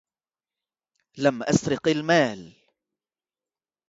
لم أسرق المال.